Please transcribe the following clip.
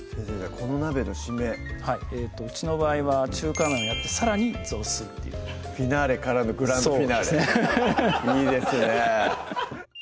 この鍋の締めうちの場合は中華麺をやってさらに雑炊っていうフィナーレからのグランドフィナーレいいですね